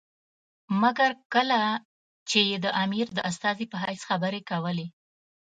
مګر کله چې یې د امیر د استازي په حیث خبرې کولې.